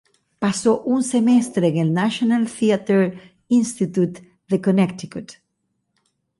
Pasó un semestre en el National Theater Institute de Connecticut.